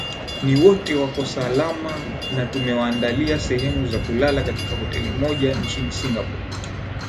ni wote wako salama na tumewaandalia sehemu za kulala katika hoteli moja nchini singapore